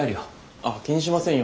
あっ気にしませんよ。